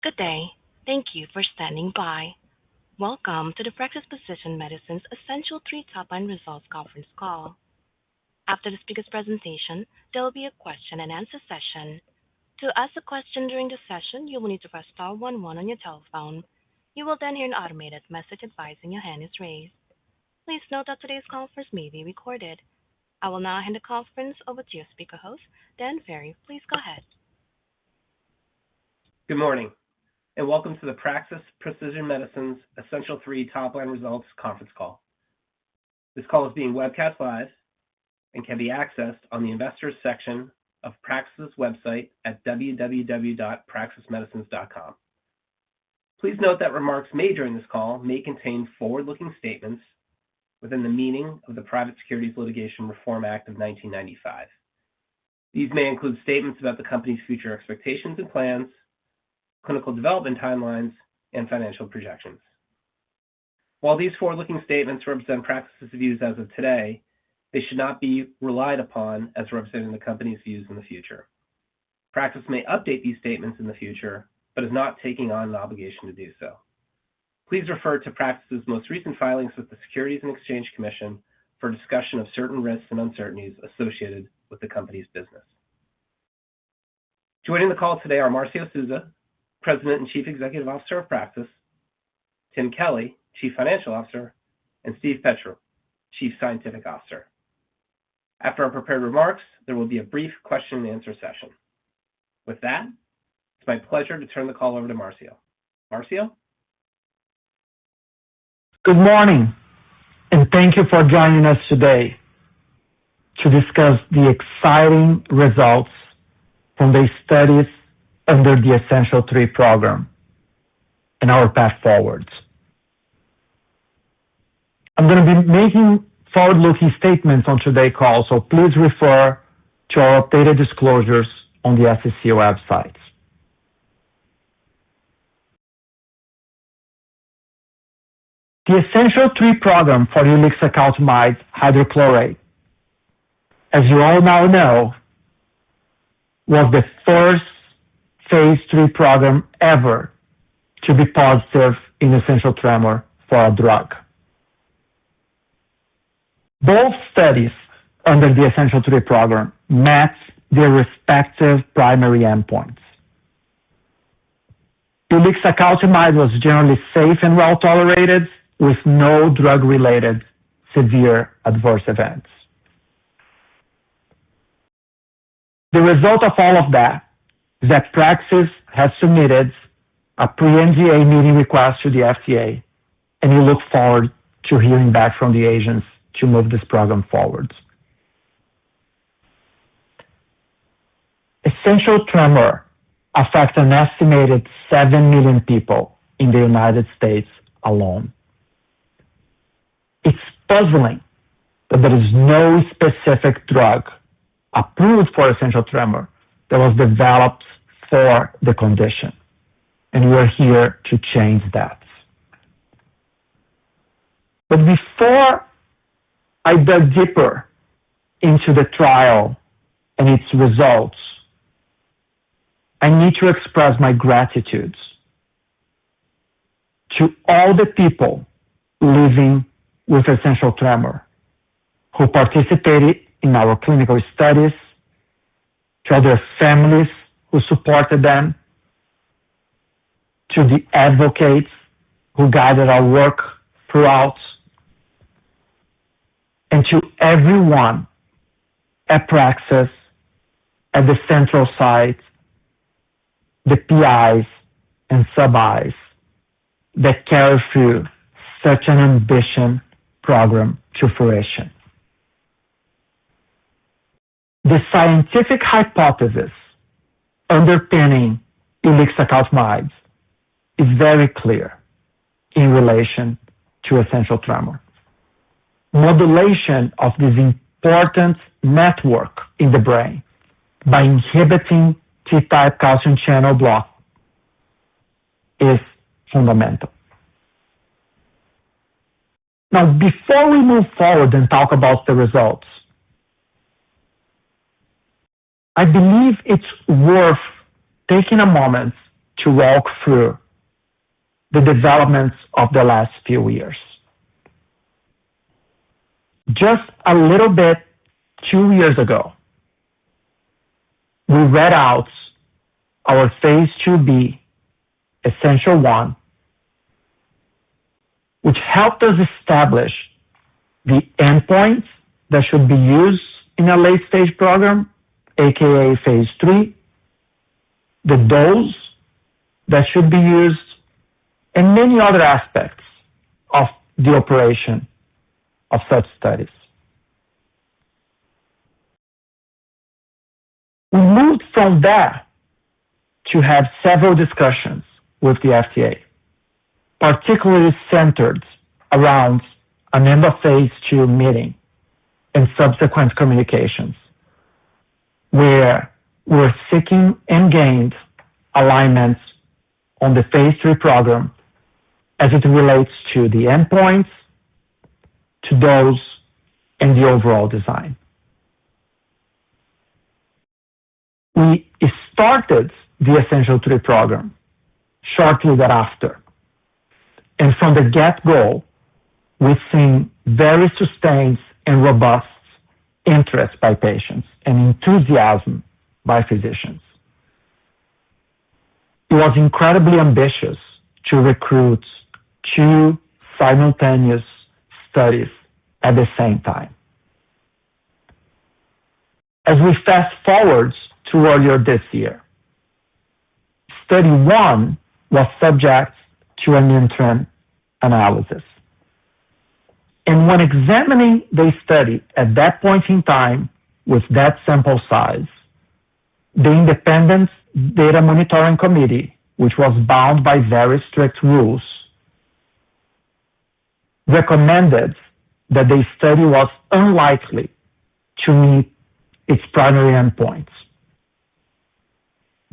Good day, thank you for standing by. Welcome to the Praxis Precision Medicines Essential 3 Top-line Results Conference call. After the speaker's presentation, there will be a question-and-answer session. To ask a question during the session, you will need to press star one one on your telephone. You will then hear an automated message advising your hand is raised. Please note that today's conference may be recorded. I will now hand the conference over to your speaker host, Dan Ferry. Please go ahead. Good morning and welcome to the Praxis Precision Medicines Essential 3 Top-line Results Conference call. This call is being webcast live and can be accessed on the investor section of Praxis's website at www.praxismedicines.com. Please note that remarks made during this call may contain forward-looking statements within the meaning of the Private Securities Litigation Reform Act of 1995. These may include statements about the company's future expectations and plans, clinical development timelines, and financial projections. While these forward-looking statements represent Praxis's views as of today, they should not be relied upon as representing the company's views in the future. Praxis may update these statements in the future but is not taking on an obligation to do so. Please refer to Praxis's most recent filings with the Securities and Exchange Commission for discussion of certain risks and uncertainties associated with the company's business. Joining the call today are Marcio Souza, President and Chief Executive Officer of Praxis, Tim Kelly, Chief Financial Officer, and Steve Petrou, Chief Scientific Officer. After our prepared remarks, there will be a brief question-and-answer session. With that, it's my pleasure to turn the call over to Marcio. Marcio? Good morning and thank you for joining us today to discuss the exciting results from these studies under the Essential3 program and our path forward. I'm going to be making forward-looking statements on today's call, so please refer to our updated disclosures on the SEC website. The Essential3 program for Ulixacaltamide hydrochloride, as you all now know, was the first phase III program ever to be positive in essential tremor for a drug. Both studies under the Essential3 program met their respective primary endpoints. Ulixacaltamide was generally safe and well tolerated, with no drug-related severe adverse events. The result of all of that is that Praxis has submitted a pre-NDA meeting request to the FDA, and we look forward to hearing back from the agency to move this program forward. Essential tremor affects an estimated seven million people in the United States alone. It's puzzling that there is no specific drug approved for essential tremor that was developed for the condition, and we are here to change that. But before I dive deeper into the trial and its results, I need to express my gratitude to all the people living with essential tremor, who participated in our clinical studies, to their families who supported them, to the advocates who guided our work throughout, and to everyone at Praxis, at the central site, the PIs and sub-Is that carried through such an ambitious program to fruition. The scientific hypothesis underpinning Ulixacaltamide is very clear in relation to essential tremor. Modulation of this important network in the brain by inhibiting T-type calcium channel block is fundamental. Now, before we move forward and talk about the results, I believe it's worth taking a moment to walk through the developments of the last few years. Just a little bit two years ago, we read out our phase II-b, Essential1, which helped us establish the endpoints that should be used in a late-stage program, a.k.a. phase III, the dose that should be used, and many other aspects of the operation of such studies. We moved from there to have several discussions with the FDA, particularly centered around an end-of-phase II meeting and subsequent communications, where we're seeking and gained alignments on the phase III program as it relates to the endpoints, to dose, and the overall design. We started the Essential3 program shortly thereafter, and from the get-go, we've seen very sustained and robust interest by patients and enthusiasm by physicians. It was incredibly ambitious to recruit two simultaneous studies at the same time. As we fast forward toward this year, Study 1 was subject to an interim analysis. and when examining the study at that point in time with that sample size, the Independent Data Monitoring Committee, which was bound by very strict rules, recommended that the study was unlikely to meet its primary endpoints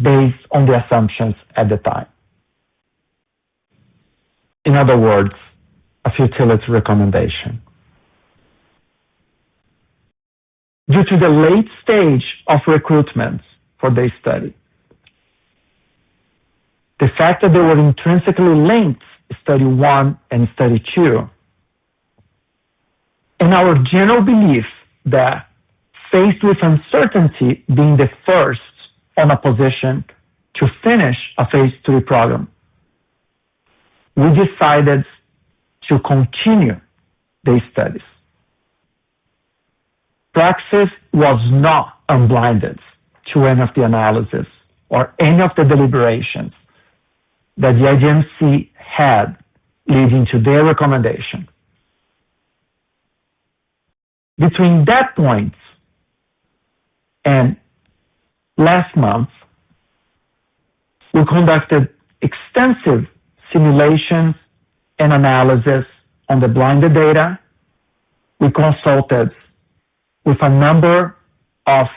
based on the assumptions at the time. In other words, a futility recommendation. Due to the late stage of recruitment for this study, the fact that they were intrinsically linked, Study 1 and Study 2, and our general belief that, faced with uncertainty being the first on a position to finish a phase III program, we decided to continue these studies. Praxis was not unblinded to any of the analysis or any of the deliberations that the agency had leading to their recommendation. Between that point and last month, we conducted extensive simulations and analysis on the blinded data. We consulted with a number of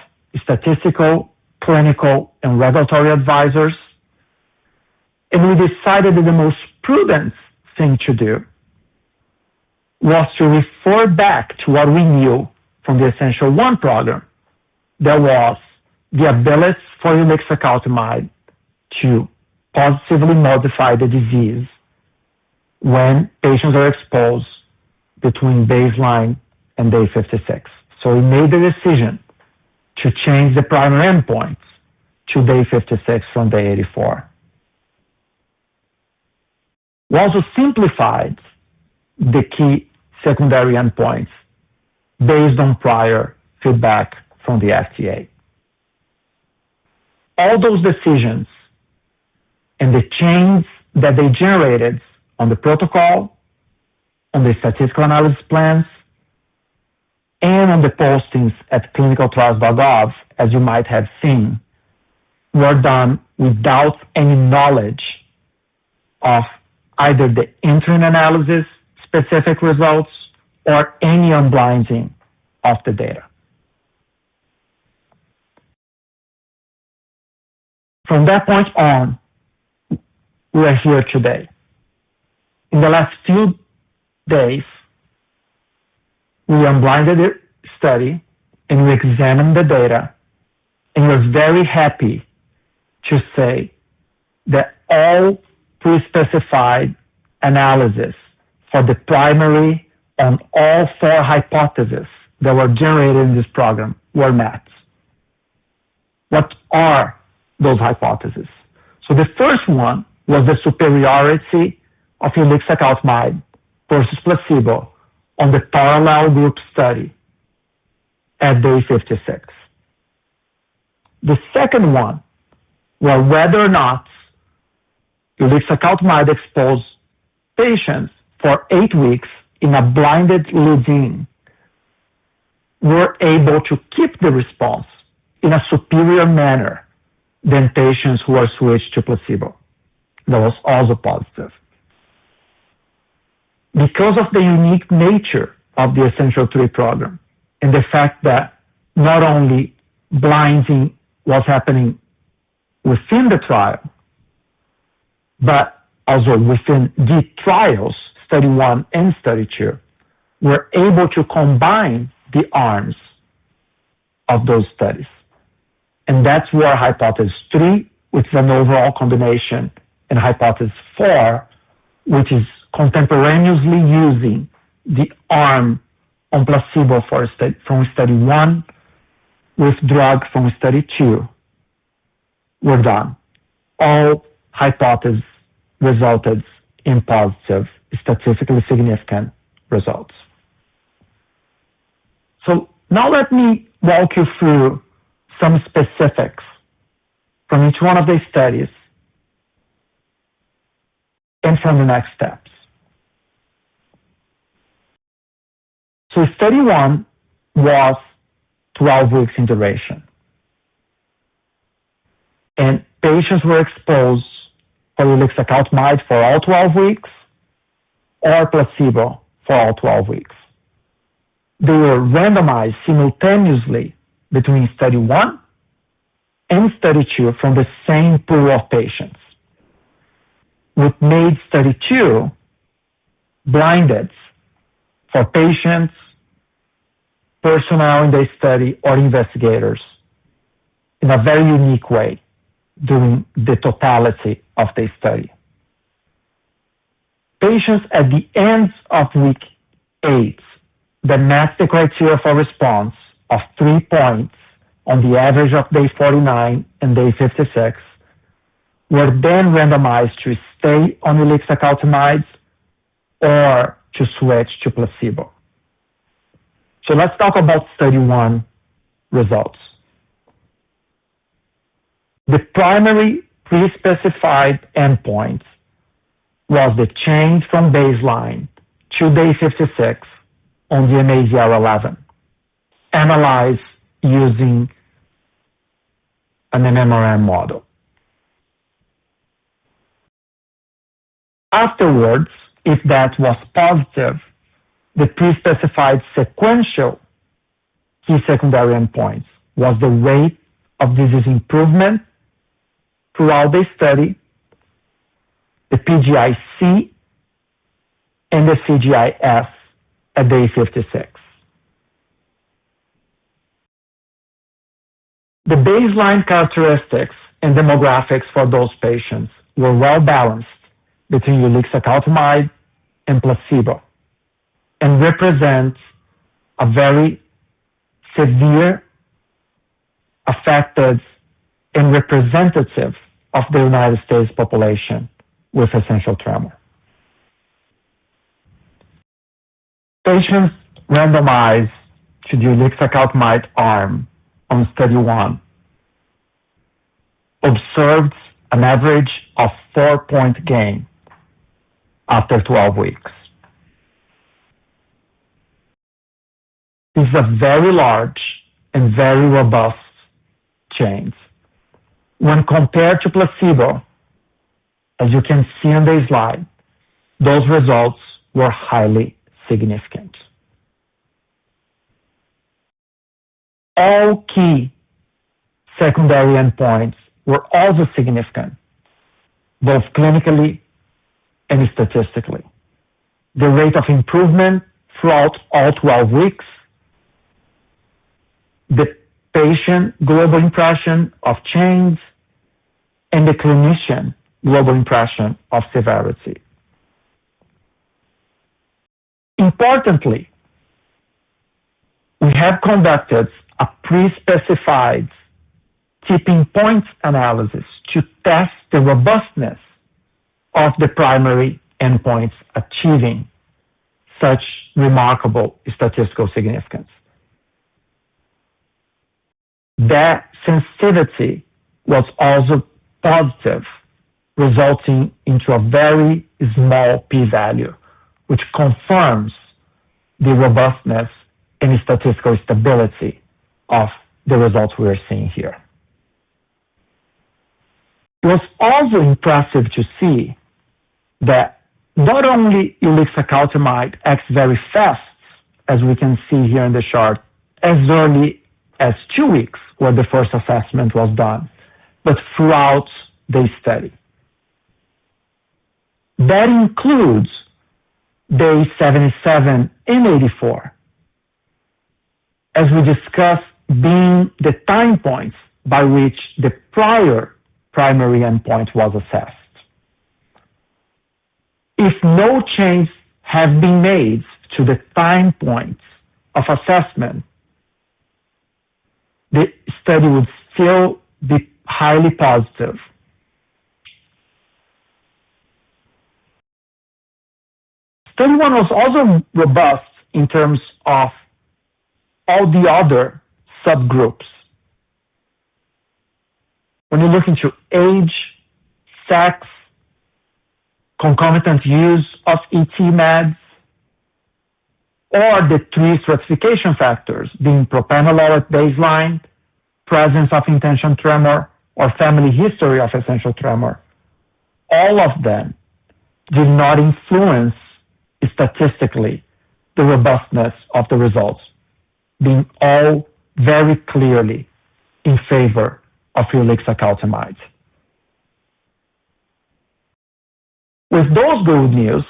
statistical, clinical, and regulatory advisors, and we decided that the most prudent thing to do was to refer back to what we knew from the Essential1 program. There was the ability for Ulixacaltamide to positively modify the disease when patients are exposed between baseline and day 56. So we made the decision to change the primary endpoints to day 56 from day 84. We also simplified the key secondary endpoints based on prior feedback from the FDA. All those decisions and the change that they generated on the protocol, on the statistical analysis plans, and on the postings at ClinicalTrials.gov, as you might have seen, were done without any knowledge of either the interim analysis specific results or any unblinding of the data. From that point on, we are here today. In the last few days, we unblinded the study and we examined the data, and we're very happy to say that all pre-specified analysis for the primary on all four hypotheses that were generated in this program were met. What are those hypotheses? So the first one was the superiority of Ulixacaltamide versus placebo on the parallel group study at day 56. The second one was whether or not Ulixacaltamide exposed patients for eight weeks in a blinded lead-in were able to keep the response in a superior manner than patients who are switched to placebo. That was also positive. Because of the unique nature of the Essential3 program and the fact that not only blinding was happening within the trial, but also within the trials, Study 1 and Study 2, we're able to combine the arms of those studies. And that's where hypothesis three, which is an overall combination, and hypothesis four, which is contemporaneously using the arm on placebo from Study 1 with drug from Study 2, were done. All hypotheses resulted in positive, statistically significant results. So now let me walk you through some specifics from each one of these studies and from the next steps. So Study 1 was 12 weeks in duration, and patients were exposed to Ulixacaltamide for all 12 weeks or placebo for all 12 weeks. They were randomized simultaneously between Study 1 and Study 2 from the same pool of patients, which made Study 2 blinded for patients, personnel in the study, or investigators in a very unique way during the totality of the study. Patients at the end of week eight that met the criteria for response of three points on the average of day 49 and day 56 were then randomized to stay on Ulixacaltamide or to switch to placebo. So let's talk about Study 1 results. The primary pre-specified endpoint was the change from baseline to day 56 on the mADL11 analyzed using an MMRM model. Afterwards, if that was positive, the pre-specified sequential key secondary endpoints was the rate of disease improvement throughout the study, the PGI-C, and the CGI-S at day 56. The baseline characteristics and demographics for those patients were well balanced between Ulixacaltamide and placebo and represent a very severe affected and representative of the United States population with essential tremor. Patients randomized to the Ulixacaltamide arm on Study 1 observed an average of four-point gain after 12 weeks. This is a very large and very robust change. When compared to placebo, as you can see on this slide, those results were highly significant. All key secondary endpoints were also significant, both clinically and statistically. The rate of improvement throughout all 12 weeks, the patient global impression of change, and the clinician global impression of severity. Importantly, we have conducted a pre-specified tipping point analysis to test the robustness of the primary endpoints achieving such remarkable statistical significance. That sensitivity was also positive, resulting in a very small p-value, which confirms the robustness and statistical stability of the results we are seeing here. It was also impressive to see that not only Ulixacaltamide acts very fast, as we can see here in the chart, as early as two weeks where the first assessment was done, but throughout the study. That includes day 77 and 84, as we discussed, being the time points by which the prior primary endpoint was assessed. If no change had been made to the time points of assessment, the study would still be highly positive. Study 1 was also robust in terms of all the other subgroups. When you look into age, sex, concomitant use of ET meds, or the three stratification factors, being Propranolol at baseline, presence of intentional tremor, or family history of essential tremor, all of them did not influence statistically the robustness of the results, being all very clearly in favor of Ulixacaltamide. With those good news,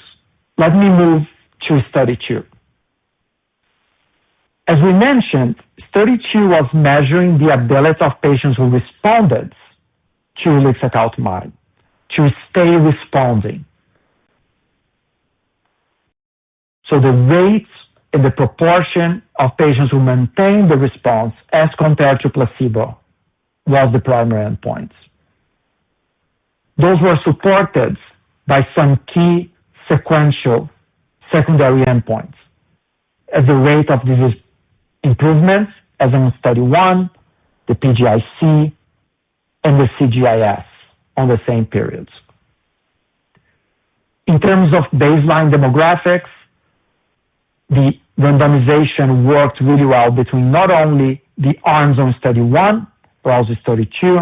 let me move to Study 2. As we mentioned, Study 2 was measuring the ability of patients who responded to Ulixacaltamide to stay responding. So the weights and the proportion of patients who maintained the response as compared to placebo was the primary endpoints. Those were supported by some key sequential secondary endpoints as the rate of disease improvement as in Study 1, the PGI-C, and the CGI-S on the same periods. In terms of baseline demographics, the randomization worked really well between not only the arms on Study 1, but also Study 2,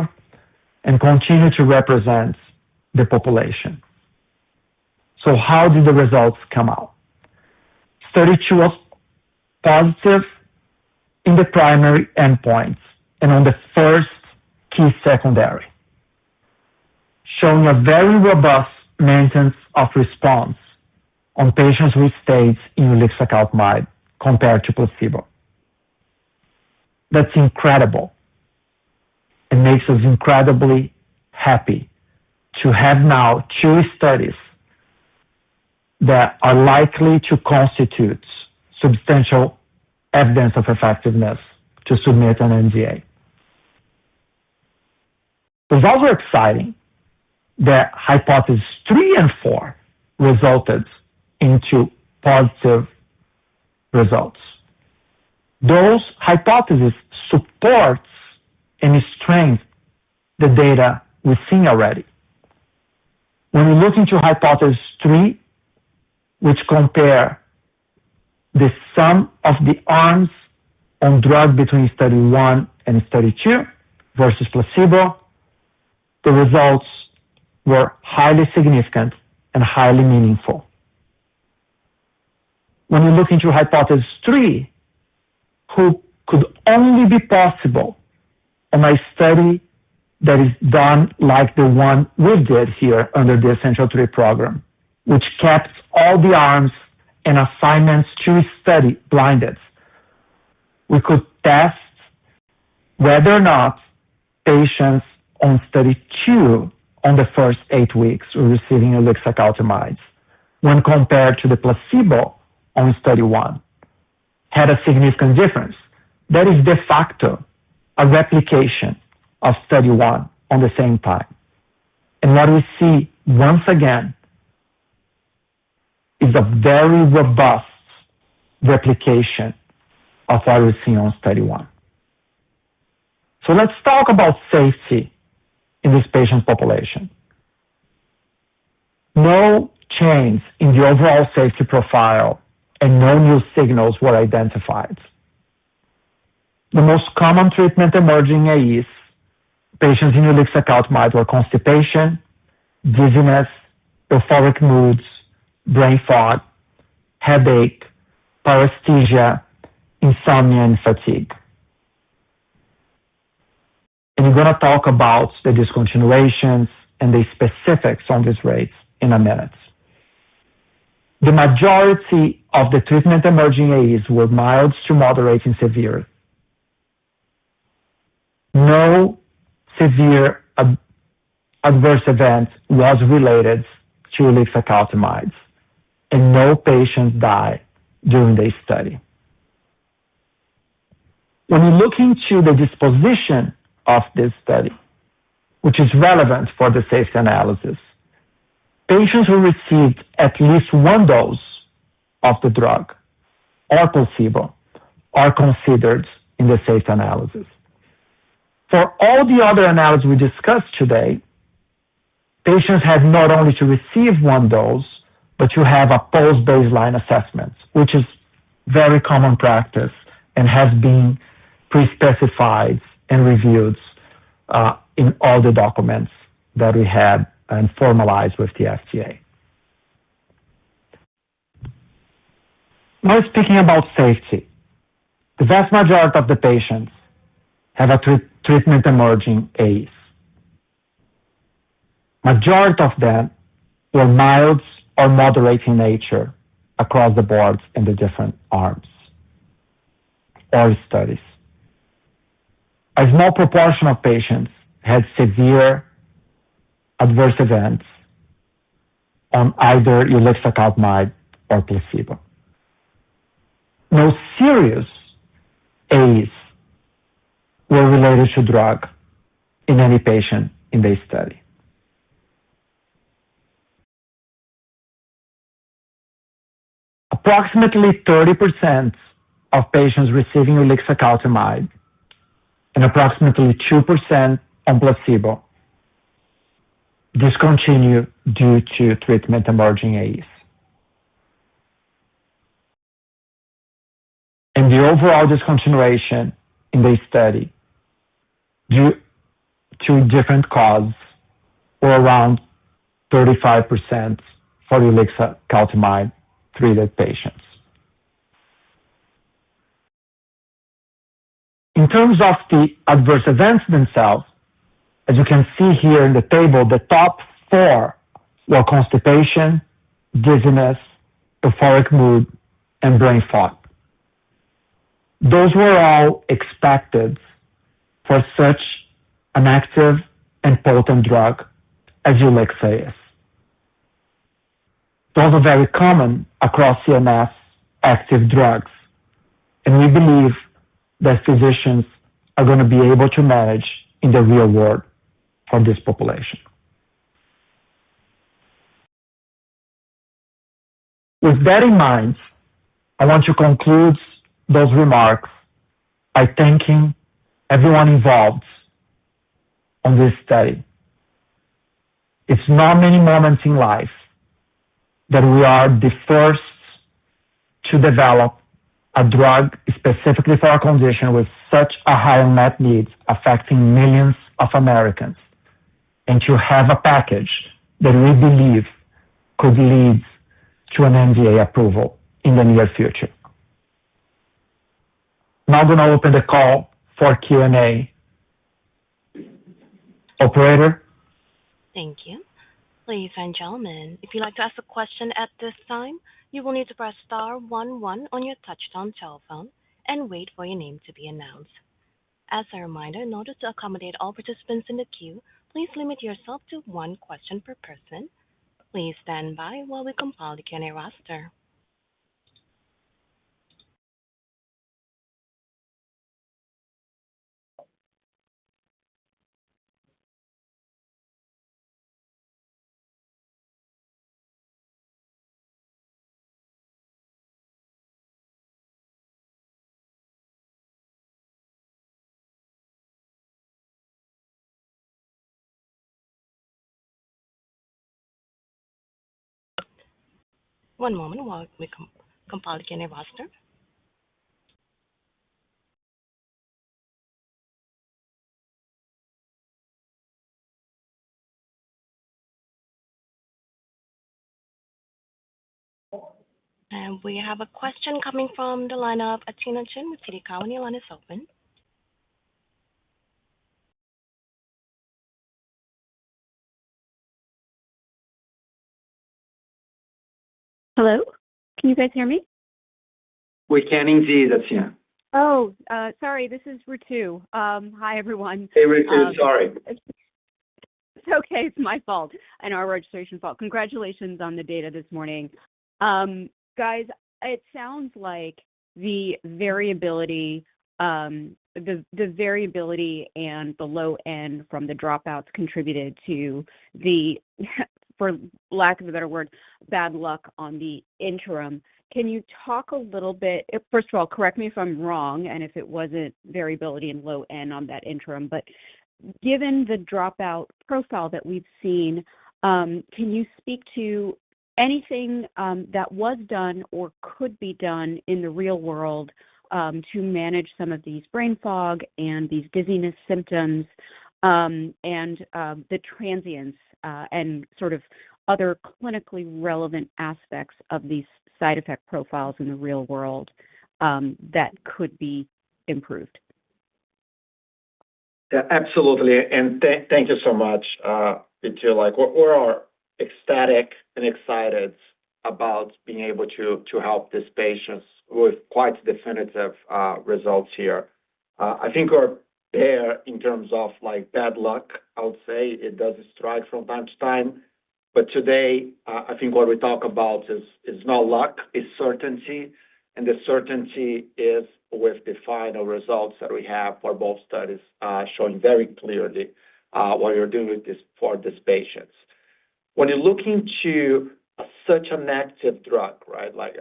and continued to represent the population. So how did the results come out? Study 2 was positive in the primary endpoints and on the first key secondary, showing a very robust maintenance of response on patients with stays in Ulixacaltamide compared to placebo. That's incredible and makes us incredibly happy to have now two studies that are likely to constitute substantial evidence of effectiveness to submit an NDA. Results were exciting. The hypothesis three and four resulted in two positive results. Those hypotheses support and strengthen the data we've seen already. When we look into hypothesis three, which compares the sum of the arms on drug between Study 1 and Study 2 versus placebo, the results were highly significant and highly meaningful. When you look into hypothesis three, which could only be possible on a study that is done like the one we did here under the Essential3 program, which kept all the arms and assignments to study blinded, we could test whether or not patients on Study 2 on the first eight weeks receiving Ulixacaltamide when compared to the placebo on Study 1 had a significant difference. That is de facto a replication of Study 1 at the same time, and what we see once again is a very robust replication of what we see on Study 1. So let's talk about safety in this patient population. No change in the overall safety profile and no new signals were identified. The most common treatment-emergent AEs in patients in Ulixacaltamide with constipation, dizziness, euphoric moods, brain fog, headache, paresthesia, insomnia, and fatigue. And we're going to talk about the discontinuations and the specifics on these rates in a minute. The majority of the treatment-emergent AEs were mild to moderate and severe. No severe adverse event was related to Ulixacaltamide, and no patients died during this study. When you look into the disposition of this study, which is relevant for the safety analysis, patients who received at least one dose of the drug or placebo are considered in the safety analysis. For all the other analysis we discussed today, patients had not only to receive one dose, but to have a post-baseline assessment, which is very common practice and has been pre-specified and reviewed in all the documents that we had and formalized with the FDA. Now speaking about safety, the vast majority of the patients have a treatment-emergent AE. Majority of them were mild or moderate in nature across the board in the different arms or studies. A small proportion of patients had severe adverse events on either Ulixacaltamide or placebo. No serious AEs were related to drug in any patient in this study. Approximately 30% of patients receiving Ulixacaltamide and approximately 2% on placebo discontinued due to treatment-emergent AEs, and the overall discontinuation in this study due to different causes were around 35% for Ulixacaltamide treated patients. In terms of the adverse events themselves, as you can see here in the table, the top four were constipation, dizziness, euphoric mood, and brain fog. Those were all expected for such an active and potent drug as Ulixacaltamide. Those are very common across CNS active drugs, and we believe that physicians are going to be able to manage in the real world for this population. With that in mind, I want to conclude those remarks by thanking everyone involved in this study. It's not many moments in life that we are the first to develop a drug specifically for our condition with such a high unmet need affecting millions of Americans and to have a package that we believe could lead to an NDA approval in the near future. Now I'm going to open the call for Q&A. Operator. Thank you. Ladies and gentlemen, if you'd like to ask a question at this time, you will need to press star 11 on your touch-tone telephone and wait for your name to be announced. As a reminder, in order to accommodate all participants in the queue, please limit yourself to one question per person. Please stand by while we compile the Q&A roster. One moment while we compile the Q&A roster, and we have a question coming from the line of Athena Chin with TD Cowen. The line is open. Hello. Can you guys hear me? We can indeed, Atina. Oh, sorry. This is Ritu. Hi, everyone. Hey, Ritu. Sorry. It's okay. It's my fault and our registration fault. Congratulations on the data this morning. Guys, it sounds like the variability and the low end from the dropouts contributed to the, for lack of a better word, bad luck on the interim. Can you talk a little bit? First of all, correct me if I'm wrong, and if it wasn't variability and low end on that interim. But given the dropout profile that we've seen, can you speak to anything that was done or could be done in the real world to manage some of these brain fog and these dizziness symptoms and the transients and sort of other clinically relevant aspects of these side effect profiles in the real world that could be improved? Yeah, absolutely, and thank you so much, Ritu. We're all ecstatic and excited about being able to help these patients with quite definitive results here. I think we're there in terms of bad luck, I would say. It does strike from time to time, but today, I think what we talk about is not luck. It's certainty. And the certainty is with the final results that we have for both studies showing very clearly what we're doing for these patients. When you're looking to such an active drug, right, like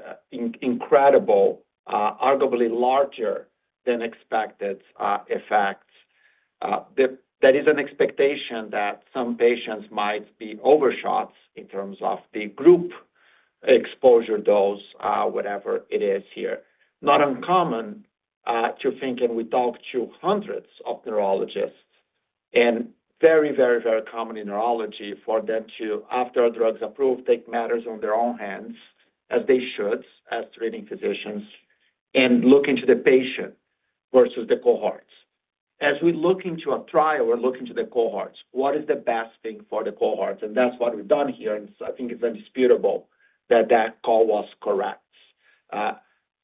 incredible, arguably larger than expected effects, there is an expectation that some patients might be overshot in terms of the group exposure dose, whatever it is here. Not uncommon to think, and we talked to hundreds of neurologists, and very, very, very common in neurology for them to, after drugs are approved, take matters into their own hands as they should as treating physicians and look into the patient versus the cohorts. As we look into a trial, we're looking to the cohorts. What is the best thing for the cohorts? And that's what we've done here. And I think it's indisputable that that call was correct.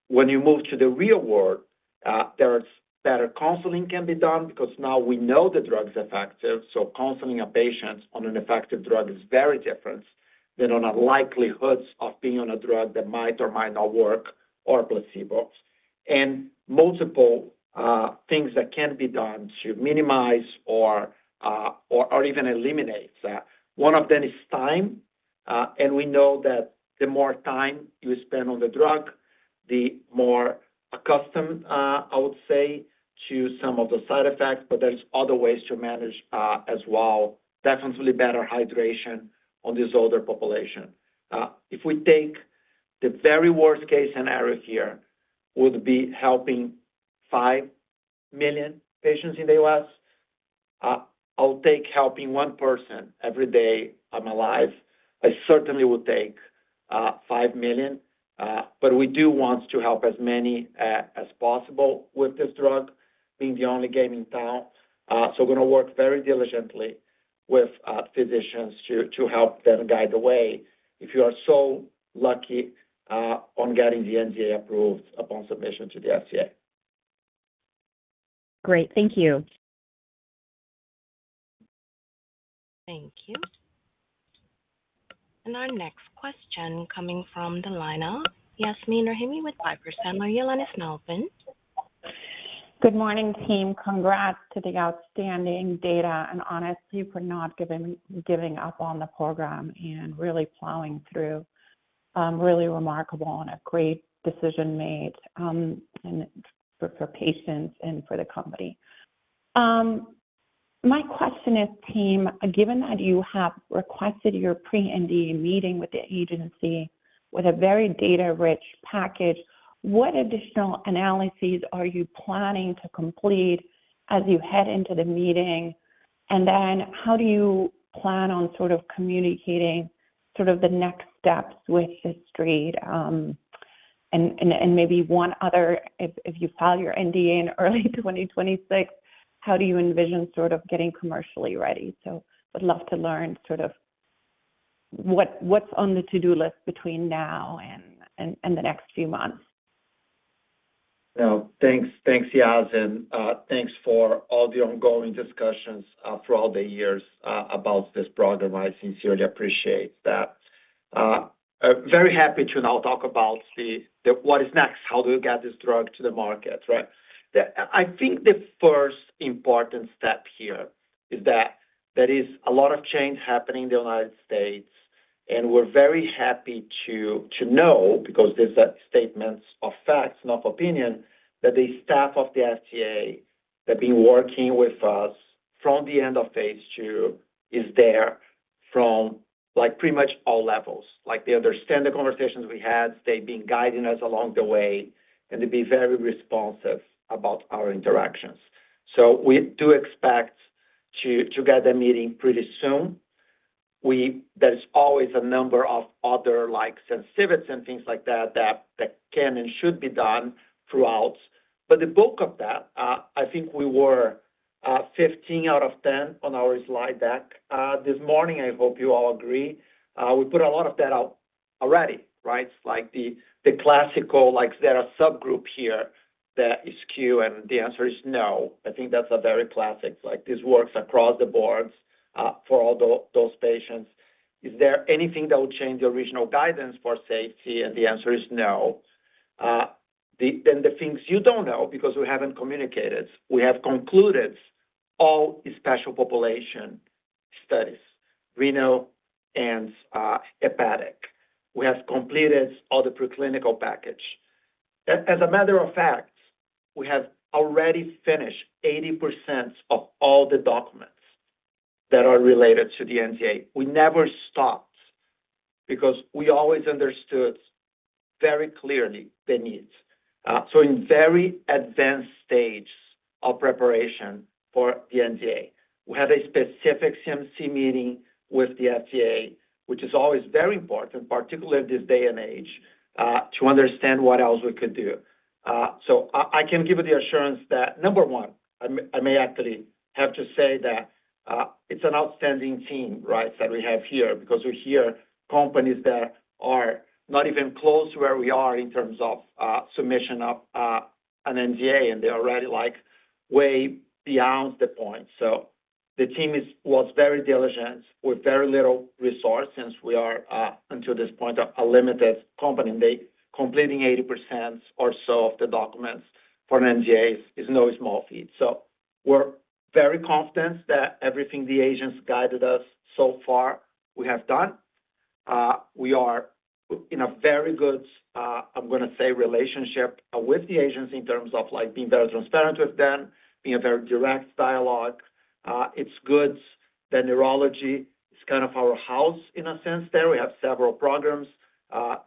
When you move to the real world, there's better counseling that can be done because now we know the drug is effective, so counseling a patient on an effective drug is very different than on the likelihoods of being on a drug that might or might not work or placebo, and multiple things that can be done to minimize or even eliminate that. One of them is time, and we know that the more time you spend on the drug, the more accustomed, I would say, to some of the side effects, but there are other ways to manage as well. Definitely better hydration on this older population. If we take the very worst-case scenario here, would be helping 5 million patients in the U.S., I'll take helping one person every day of my life. I certainly would take 5 million. But we do want to help as many as possible with this drug, being the only game in town. So we're going to work very diligently with physicians to help them guide the way if you are so lucky on getting the NDA approved upon submission to the FDA. Great. Thank you. Thank you. And our next question coming from the line of Yasmeen Rahimi with Piper Sandler. Good morning, team. Congrats to the outstanding data and honesty for not giving up on the program and really plowing through. Really remarkable and a great decision made for patients and for the company. My question is, team, given that you have requested your pre-NDA meeting with the agency with a very data-rich package, what additional analyses are you planning to complete as you head into the meeting? And then how do you plan on sort of communicating sort of the next steps with this street? And maybe one other, if you file your NDA in early 2026, how do you envision sort of getting commercially ready? So I would love to learn sort of what's on the to-do list between now and the next few months. Well, thanks, Yasmeen. Thanks for all the ongoing discussions throughout the years about this program. I sincerely appreciate that. Very happy to now talk about what is next. How do we get this drug to the market, right? I think the first important step here is that there is a lot of change happening in the United States. And we're very happy to know, because these are statements of facts, not opinion, that the staff of the FDA that have been working with us from the end of phase two is there from pretty much all levels. They understand the conversations we had. They've been guiding us along the way. And they've been very responsive about our interactions. So we do expect to get a meeting pretty soon. There's always a number of other sensitivities and things like that that can and should be done throughout. But the bulk of that, I think we were 15 out of 10 on our slide deck this morning. I hope you all agree. We put a lot of that out already, right? It's like the classical, there are subgroups here that is Q, and the answer is no. I think that's a very classic. This works across the boards for all those patients. Is there anything that would change the original guidance for safety? And the answer is no. Then the things you don't know, because we haven't communicated. We have concluded all special population studies, renal and hepatic. We have completed all the preclinical package. As a matter of fact, we have already finished 80% of all the documents that are related to the NDA. We never stopped because we always understood very clearly the needs. So in very advanced stages of preparation for the NDA, we have a specific CMC meeting with the FDA, which is always very important, particularly at this day and age, to understand what else we could do. So I can give you the assurance that, number one, I may actually have to say that it's an outstanding team, right, that we have here, because we hear companies that are not even close to where we are in terms of submission of an NDA, and they're already way beyond the point. So the team was very diligent with very little resource since we are, until this point, a limited company. And completing 80% or so of the documents for an NDA is no small feat. So we're very confident that everything the agents guided us so far we have done. We are in a very good, I'm going to say, relationship with the agents in terms of being very transparent with them, being a very direct dialogue. It's good that neurology is kind of our house in a sense there. We have several programs.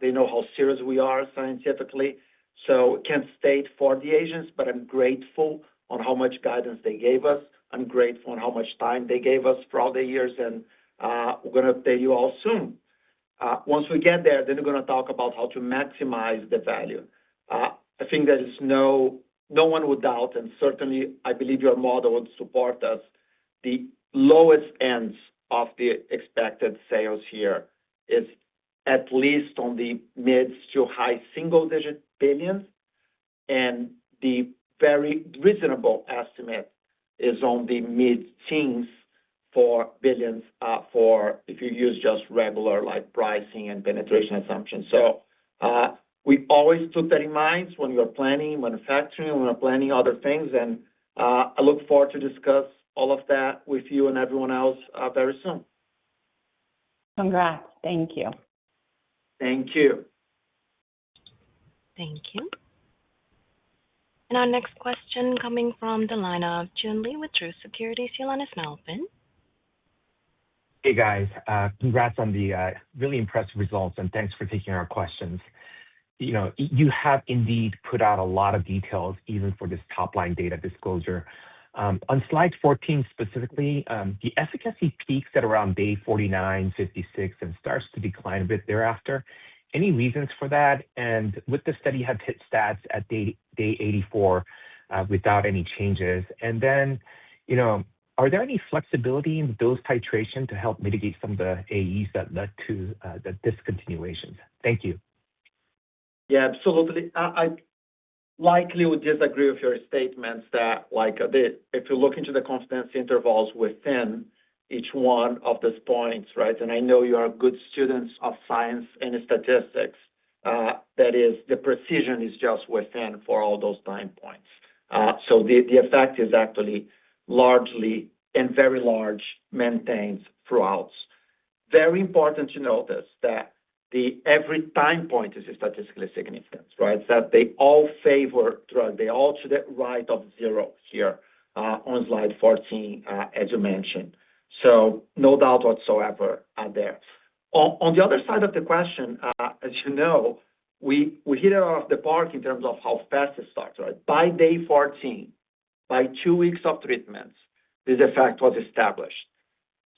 They know how serious we are scientifically. So I can't state for the agency, but I'm grateful on how much guidance they gave us. I'm grateful on how much time they gave us for all the years. And we're going to pay you all soon. Once we get there, then we're going to talk about how to maximize the value. I think there is no one would doubt, and certainly, I believe your model would support us, the lowest ends of the expected sales here is at least on the mid- to high single-digit billions. And the very reasonable estimate is on the mid-teens for billions if you use just regular pricing and penetration assumptions. So we always took that in mind when we were planning manufacturing, when we were planning other things. And I look forward to discuss all of that with you and everyone else very soon. Congrats. Thank you. And our next question coming from the line of Joon Lee with Truist Securities, your line is now open. Hey, guys. Congrats on the really impressive results, and thanks for taking our questions. You have indeed put out a lot of details even for this top-line data disclosure. On slide 14 specifically, the efficacy peaks at around day 49, 56, and starts to decline a bit thereafter. Any reasons for that? And with the study had hit stats at day 84 without any changes. And then are there any flexibility in dose titration to help mitigate some of the AEs that led to the discontinuations? Thank you. Yeah, absolutely. I likely would disagree with your statements that if you look into the confidence intervals within each one of these points, right, and I know you are good students of science and statistics, that is, the precision is just within for all those time points, so the effect is actually largely and very large maintained throughout. Very important to notice that every time point is statistically significant, right? That they all favor drug. They all to the right of zero here on slide 14, as you mentioned, so no doubt whatsoever there. On the other side of the question, as you know, we hit it out of the park in terms of how fast it starts, right? By day 14, by two weeks of treatments, this effect was established,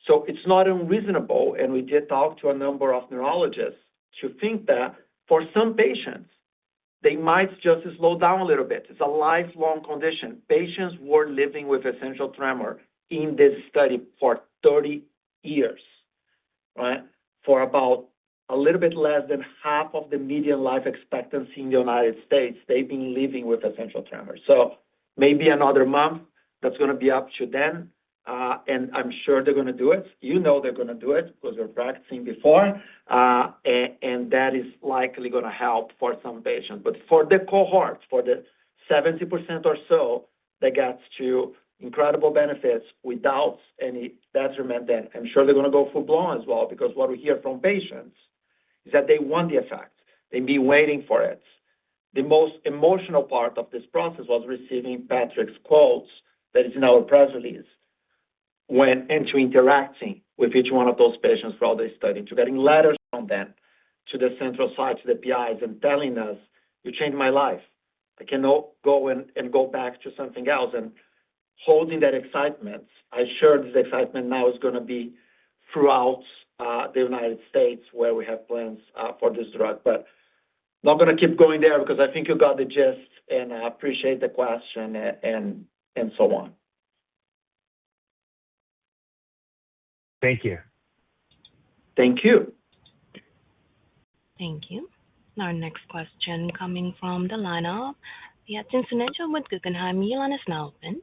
so it's not unreasonable. And we did talk to a number of neurologists to think that for some patients, they might just slow down a little bit. It's a lifelong condition. Patients were living with essential tremor in this study for 30 years, right? For about a little bit less than half of the median life expectancy in the United States, they've been living with essential tremor. So maybe another month, that's going to be up to them. And I'm sure they're going to do it. You know they're going to do it because we're practicing before. And that is likely going to help for some patients. But for the cohort, for the 70% or so, that gets to incredible benefits without any detriment. And I'm sure they're going to go full-blown as well because what we hear from patients is that they want the effect. They've been waiting for it. The most emotional part of this process was receiving Patrick's quotes that is in our press release and to interacting with each one of those patients for all this study, to getting letters from them to the central sites, to the PIs, and telling us, "You changed my life. I can't go and go back to something else," and holding that excitement. I'm sure this excitement now is going to be throughout the United States where we have plans for this drug, but I'm not going to keep going there because I think you got the gist and I appreciate the question and so on. Thank you. Thank you. Thank you. Our next question coming from the line of Yatin Suneja with Guggenheim, your line is now open.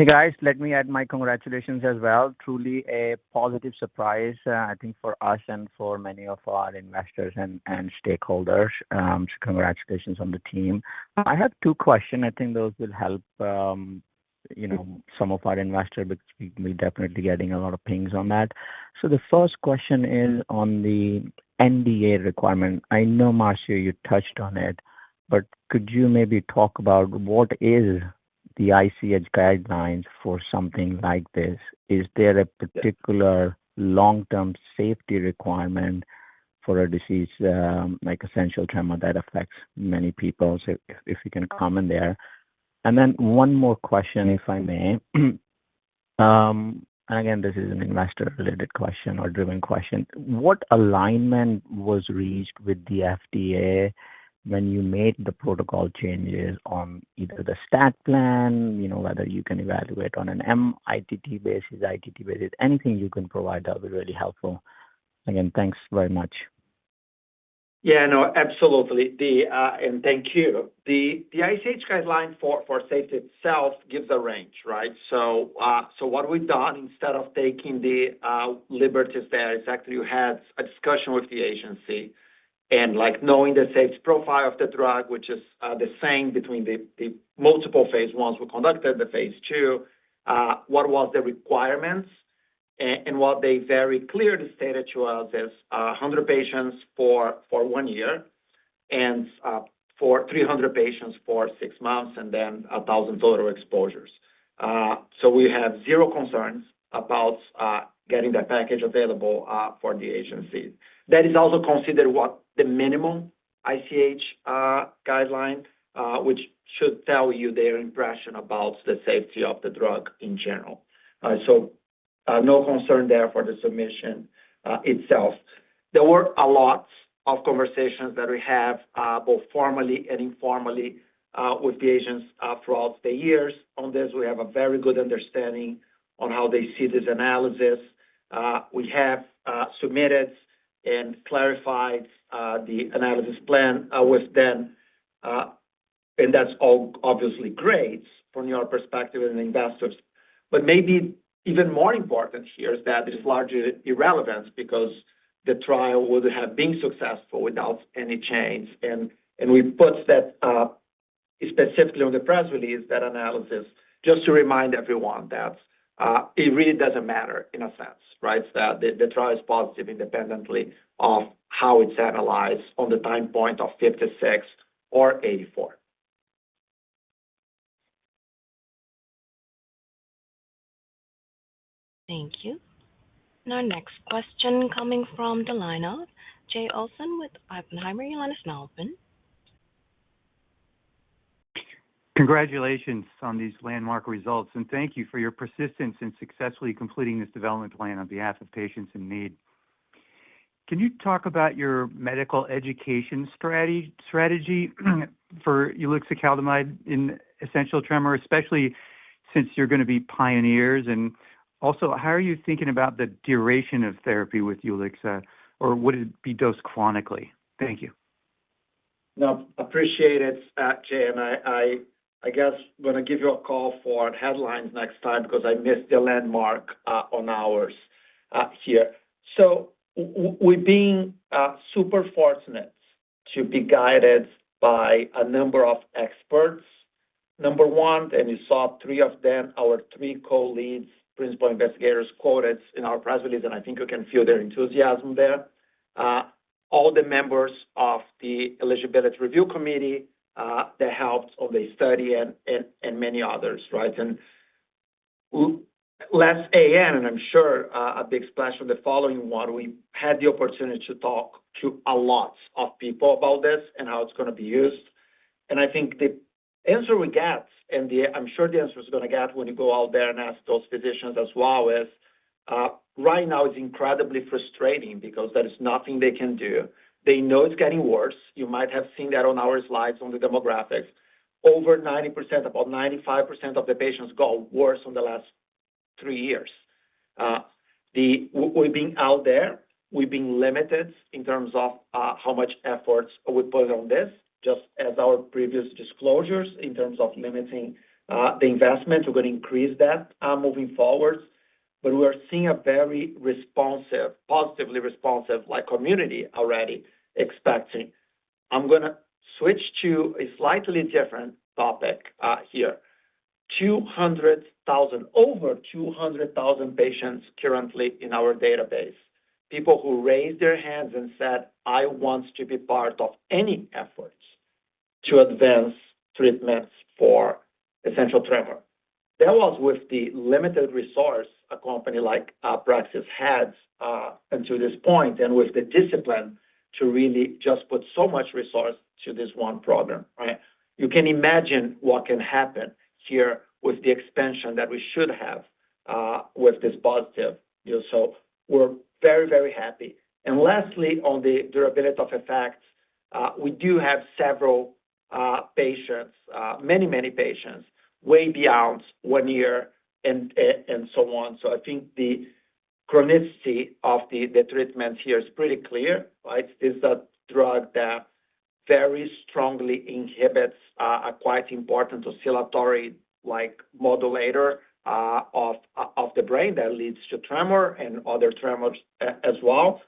Hey, guys. Let me add my congratulations as well. Truly a positive surprise, I think, for us and for many of our investors and stakeholders. So congratulations on the team. I have two questions. I think those will help some of our investors because we're definitely getting a lot of pings on that. So the first question is on the NDA requirement. I know, Marcio, you touched on it, but could you maybe talk about what is the ICH guidelines for something like this? Is there a particular long-term safety requirement for a disease like essential tremor that affects many people? So if you can comment there. And then one more question, if I may. And again, this is an investor-related question or driven question. What alignment was reached with the FDA when you made the protocol changes on either the stat plan, whether you can evaluate on an MITT basis, ITT basis? Anything you can provide that would be really helpful. Again, thanks very much. Yeah, no, absolutely. And thank you. The ICH guideline for safety itself gives a range, right? So what we've done instead of taking the liberties there is actually you had a discussion with the agency and knowing the safety profile of the drug, which is the same between the multiple phase 1s we conducted, the phase II, what was the requirements? And what they very clearly stated to us is 100 patients for one year and for 300 patients for six months and then 1,000 total exposures. So we have zero concerns about getting that package available for the agency. That is also considered what the minimum ICH guideline, which should tell you their impression about the safety of the drug in general. So no concern there for the submission itself. There were a lot of conversations that we have both formally and informally with the agency throughout the years on this. We have a very good understanding on how they see this analysis. We have submitted and clarified the analysis plan with them. And that's all obviously great from your perspective as an investor. But maybe even more important here is that it is largely irrelevant because the trial would have been successful without any change. And we put that specifically on the press release, that analysis, just to remind everyone that it really doesn't matter in a sense, right? The trial is positive independently of how it's analyzed on the time point of 56 or 84. Thank you. And our next question coming from the line of Jay Olson with Oppenheimer, your line is now open. Congratulations on these landmark results. And thank you for your persistence in successfully completing this development plan on behalf of patients in need. Can you talk about your medical education strategy for Ulixacaltamide in essential tremor, especially since you're going to be pioneers? And also, how are you thinking about the duration of therapy with Ulixa, or would it be dosed chronically? Thank you. No, appreciate it, Jay, and I guess I'm going to give you a call for headlines next time because I missed the landmark on ours here, so we've been super fortunate to be guided by a number of experts. Number one, and you saw three of them, our three co-lead principal investigators quoted in our press release, and I think you can feel their enthusiasm there. All the members of the Eligibility Review Committee that helped on the study and many others, right? And last A.M., and I'm sure a big splash on the following one, we had the opportunity to talk to a lot of people about this and how it's going to be used. And I think the answer we get, and I'm sure the answer is going to get when you go out there and ask those physicians as well, is right now it's incredibly frustrating because there is nothing they can do. They know it's getting worse. You might have seen that on our slides on the demographics. Over 90%, about 95% of the patients got worse in the last three years. We've been out there. We've been limited in terms of how much effort we put on this, just as our previous disclosures in terms of limiting the investment. We're going to increase that moving forward. But we're seeing a very responsive, positively responsive community already expecting. I'm going to switch to a slightly different topic here. Over 200,000 patients currently in our database, people who raised their hands and said, "I want to be part of any efforts to advance treatments for essential tremor." That was with the limited resource a company like Praxis had until this point and with the discipline to really just put so much resource to this one program, right? You can imagine what can happen here with the expansion that we should have with this positive, so we're very, very happy, and lastly, on the durability of effects, we do have several patients, many, many patients, way beyond one year and so on, so I think the chronicity of the treatment here is pretty clear, right? This is a drug that very strongly inhibits a quite important oscillatory modulator of the brain that leads to tremor and other tremors as well.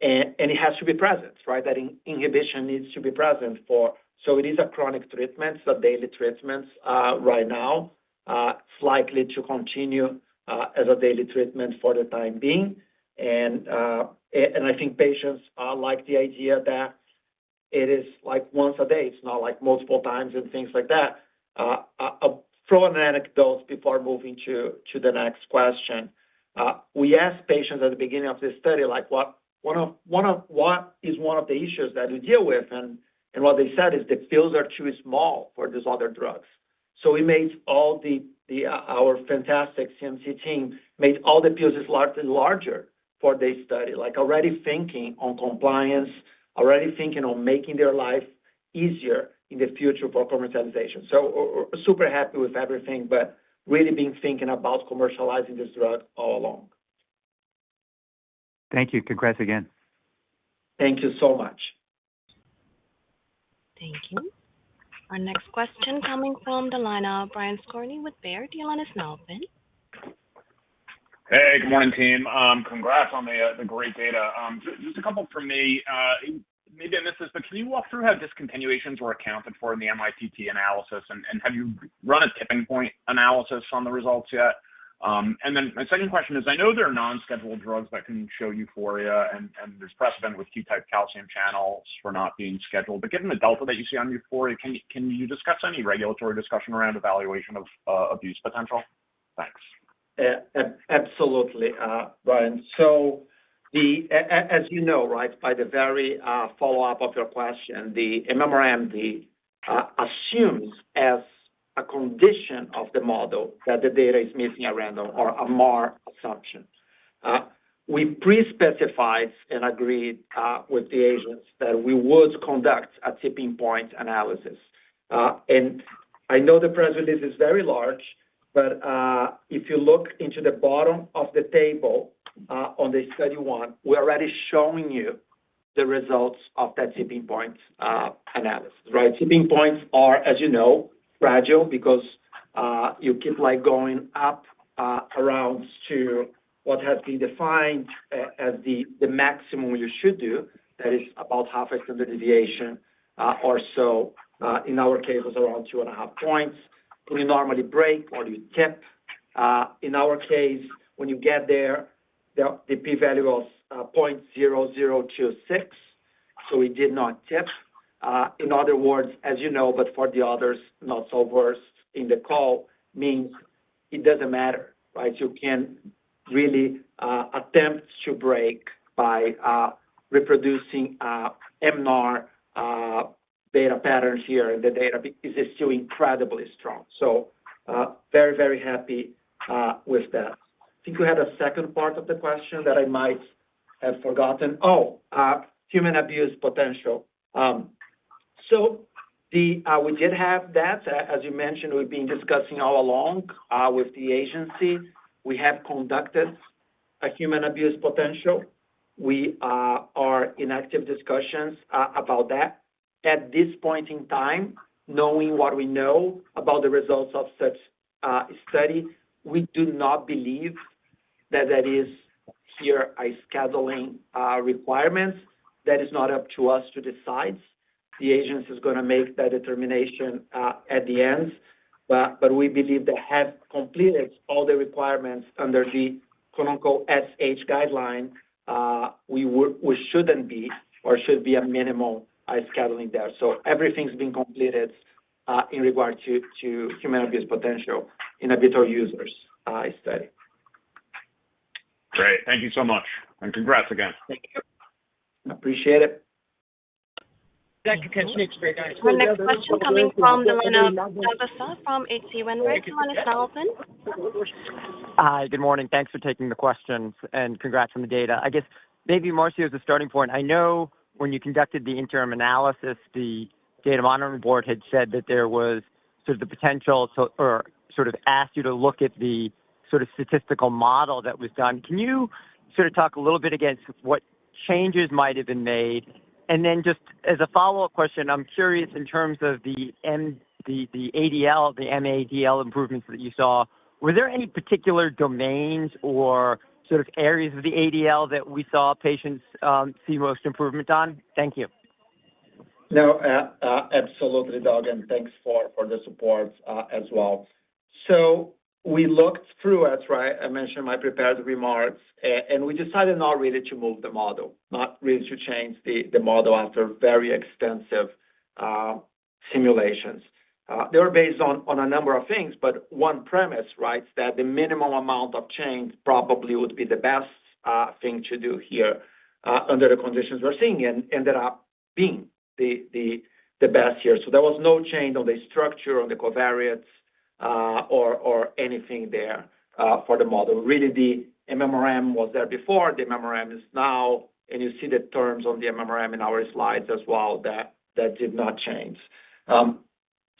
And it has to be present, right? That inhibition needs to be present for. So it is a chronic treatment, a daily treatment right now, likely to continue as a daily treatment for the time being. And I think patients like the idea that it is like once a day. It's not like multiple times and things like that. We asked patients at the beginning of this study, like, "What is one of the issues that you deal with?" And what they said is, "The pills are too small for these other drugs." So our fantastic CMC team made all the pills larger for this study, already thinking on compliance, already thinking on making their life easier in the future for commercialization. So super happy with everything, but really been thinking about commercializing this drug all along. Thank you. Congrats again. Thank you so much. Thank you. Our next question coming from the line of Brian Skorney with Baird, your line is now open. Hey, good morning, team. Congrats on the great data. Just a couple for me. Maybe I missed this, but can you walk through how discontinuations were accounted for in the MITT analysis? And have you run a tipping point analysis on the results yet? And then my second question is, I know there are non-scheduled drugs that can show euphoria, and there's precedent with Q-type calcium channels for not being scheduled. But given the delta that you see on euphoria, can you discuss any regulatory discussion around evaluation of abuse potential? Thanks. Absolutely, Brian. So as you know, right, by the very follow-up of your question, the MMRM assumes as a condition of the model that the data is missing at random or a MAR assumption. We pre-specified and agreed with the agency that we would conduct a tipping point analysis. And I know the press release is very large, but if you look into the bottom of the table on the study one, we're already showing you the results of that tipping point analysis, right? Tipping points are, as you know, fragile because you keep going up around to what has been defined as the maximum you should do. That is about half a standard deviation or so. In our case, it was around two and a half points. When you normally break or you tip, in our case, when you get there, the p-value was 0.0026. So we did not tip. In other words, as you know, but for the others, not so worse in the call means it doesn't matter, right? You can really attempt to break by reproducing MNAR beta patterns here, and the data is still incredibly strong. So very, very happy with that. I think we had a second part of the question that I might have forgotten. Oh, human abuse potential. So we did have that. As you mentioned, we've been discussing all along with the agency. We have conducted a human abuse potential. We are in active discussions about that. At this point in time, knowing what we know about the results of such a study, we do not believe that that is here a scheduling requirement. That is not up to us to decide. The agency is going to make that determination at the end. But we believe that has completed all the requirements under the ICH guideline. We shouldn't be or should be a minimal scheduling there. So everything's been completed in regard to human abuse potential in a healthy volunteers study. Great. Thank you so much. And congrats again. Thank you. Appreciate it. Thank you. Our next question coming from the line of Doug from H.C. Wainwright. Hi, good morning. Thanks for taking the questions. And congrats on the data. I guess maybe Marcio is a starting point. I know when you conducted the interim analysis, the Data Monitoring Board had said that there was sort of the potential or sort of asked you to look at the sort of statistical model that was done. Can you sort of talk a little bit against what changes might have been made? And then just as a follow-up question, I'm curious in terms of the ADL, the mADL improvements that you saw. Were there any particular domains or sort of areas of the ADL that we saw patients see most improvement on? Thank you. No, absolutely, Doug. And thanks for the support as well. So we looked through it, right? I mentioned my prepared remarks. And we decided not really to move the model, not really to change the model after very extensive simulations. They were based on a number of things, but one premise, right, is that the minimum amount of change probably would be the best thing to do here under the conditions we're seeing and ended up being the best here. So there was no change on the structure, on the covariates, or anything there for the model. Really, the MMRM was there before. The MMRM is now. And you see the terms on the MMRM in our slides as well that did not change.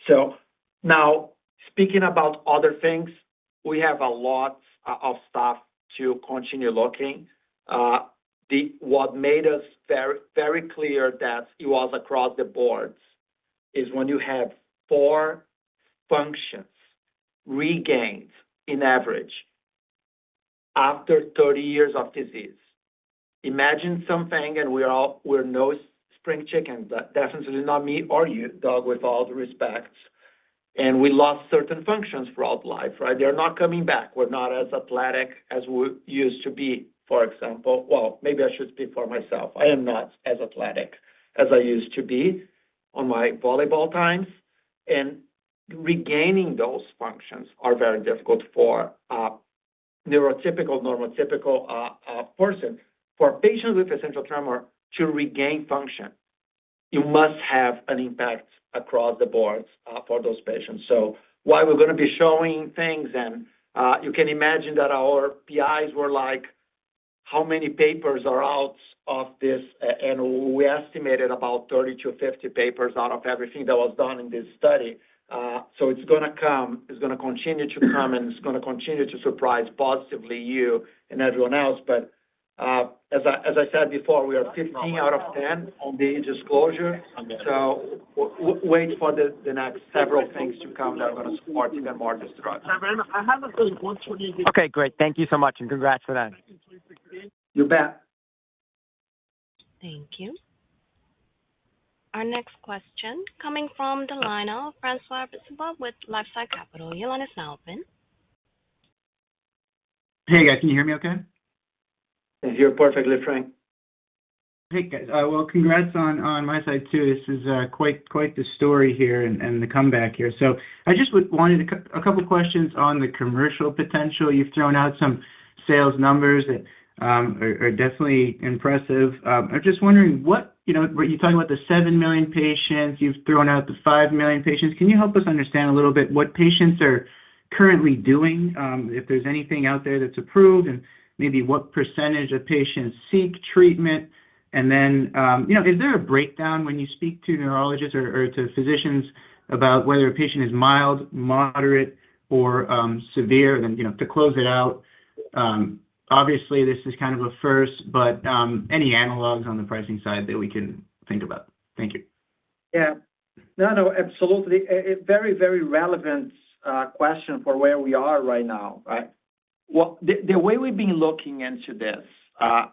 So now, speaking about other things, we have a lot of stuff to continue looking. What made us very clear that it was across the boards is when you have four functions regained in average after 30 years of disease. Imagine something, and we're no spring chickens, definitely not me or you, Doug, with all the respects. And we lost certain functions throughout life, right? They're not coming back. We're not as athletic as we used to be, for example. Well, maybe I should speak for myself. I am not as athletic as I used to be on my volleyball times. And regaining those functions are very difficult for a neurotypical, normotypical person. For patients with essential tremor, to regain function, you must have an impact across the boards for those patients. So why we're going to be showing things? And you can imagine that our PIs were like, "How many papers are out of this?" And we estimated about 30-50 papers out of everything that was done in this study. So it's going to come. It's going to continue to come, and it's going to continue to surprise positively you and everyone else. But as I said before, we are 15 out of 10 on the disclosure. So wait for the next several things to come that are going to support even more this drug. I have a question. Okay, great. Thank you so much. And congrats for that. You bet. Thank you. Our next question coming from the line of François Brisebois with Scotiabank, Yolanda Snowben. Hey, guys. Can you hear me okay? I hear you perfectly, Frank. Hey, guys. Well, congrats on my side too. This is quite the story here and the comeback here. So I just wanted a couple of questions on the commercial potential. You've thrown out some sales numbers that are definitely impressive. I'm just wondering, were you talking about the seven million patients? You've thrown out the five million patients. Can you help us understand a little bit what patients are currently doing, if there's anything out there that's approved, and maybe what percentage of patients seek treatment? And then is there a breakdown when you speak to neurologists or to physicians about whether a patient is mild, moderate, or severe? And then to close it out, obviously, this is kind of a first, but any analogs on the pricing side that we can think about? Thank you. Yeah. No, no, absolutely. Very, very relevant question for where we are right now, right? The way we've been looking into this